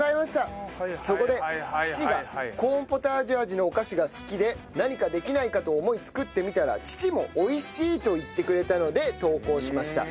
味のお菓子が好きで何かできないかと思い作ってみたら父も美味しいと言ってくれたので投稿しました。